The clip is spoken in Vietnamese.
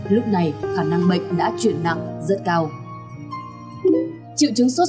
lúc này khả năng bệnh đã chuyển nặng rất cao